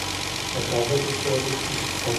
د کابل په سروبي کې څه شی شته؟